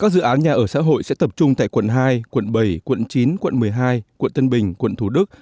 các dự án nhà ở xã hội sẽ tập trung tại quận hai quận bảy quận chín quận một mươi hai quận tân bình quận thủ đức